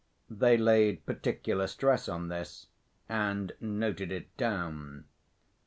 They laid particular stress on this, and noted it down.